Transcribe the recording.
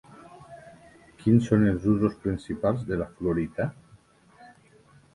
Quins són els usos principals de la fluorita?